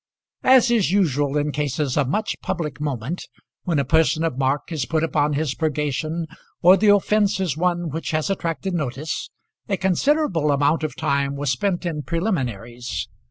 As is usual in cases of much public moment, when a person of mark is put upon his purgation, or the offence is one which has attracted notice, a considerable amount of time was spent in preliminaries.